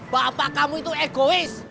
bapak kamu itu egois